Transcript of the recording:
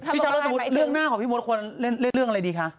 พี่ชาวรถสมมุติเรื่องหน้าของพี่มดควรเล่นเรื่องอะไรดีคะ